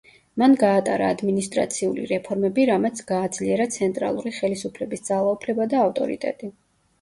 მან გაატარა ადმინისტრაციული რეფორმები, რამაც გააძლიერა ცენტრალური ხელისუფლების ძალაუფლება და ავტორიტეტი.